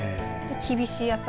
厳しい暑さ。